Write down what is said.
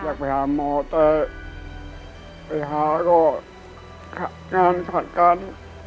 อยากไปหาหมอแต่ไปหาก็งานขัดกัน